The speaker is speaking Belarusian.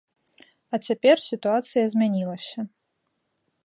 А цяпер сітуацыя змянілася.